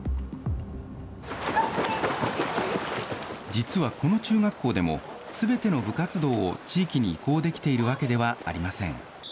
実はこの中学校でも、すべての部活動を地域に移行できているわけではありません。